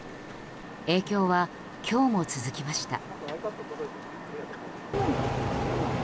影響は今日も続きました。